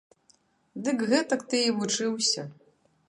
Дык гэтак ты і вучыўся.